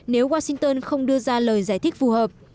nếu washington không đưa ra lời giải thích phù hợp